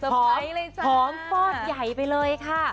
หอมฟอดใหญ่ไปเลยค่ะ